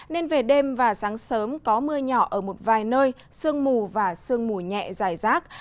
nên về đêm và sáng sớm có mưa nhỏ ở một vài nơi sương mù và sương mù nhẹ dài rác